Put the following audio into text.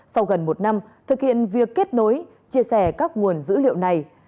sau gần một năm thực hiện việc kết nối chia sẻ các nguồn dữ liệu này